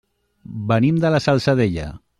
Venim de la Salzadella.